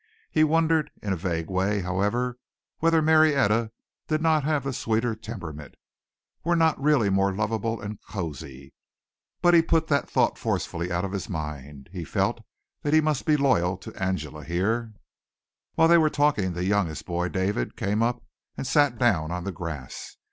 He wondered in a vague way, however, whether Marietta did not have the sweeter temperament were not really more lovable and cosy. But he put the thought forcefully out of his mind. He felt he must be loyal to Angela here. While they were talking the youngest boy, David, came up and sat down on the grass.